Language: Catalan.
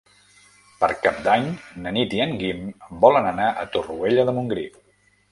Per Cap d'Any na Nit i en Guim volen anar a Torroella de Montgrí.